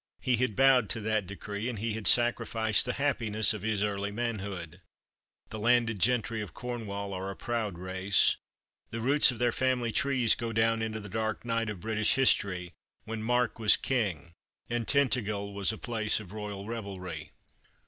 He had bowed to that decree, and he had sacrificed the happiness of his early manhood. The landed gentry of Cornwall are a proud race. The roots of their family trees go down into the dark night of British history, when Mark was king and Tintagel was a place of royal revelry.